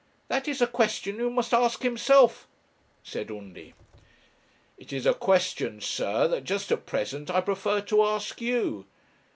'That is a question you must ask himself,' said Undy. 'It is a question, sir, that just at present I prefer to ask you.